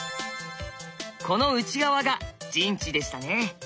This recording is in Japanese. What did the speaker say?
この内側が陣地でしたね。